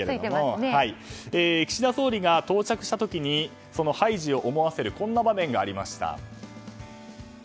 岸田総理が到着した時にハイジを思わせるこんな場面がありました。